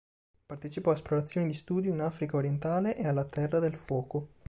Partecipò a esplorazioni di studio in Africa Orientale e alla Terra del Fuoco.